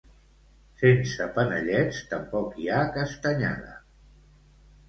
Sense panellets, tampoc hi ha Castanyada.